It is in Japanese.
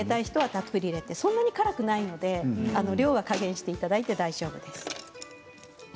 そんなに辛くないので量は加減していただいて大丈夫です。